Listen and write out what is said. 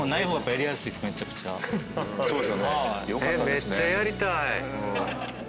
めっちゃやりたい。